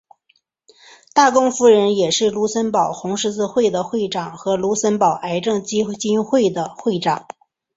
大公夫人也是卢森堡红十字会的会长和卢森堡癌症基金会的会长。